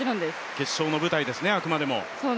決勝の舞台ですね、あくまでも。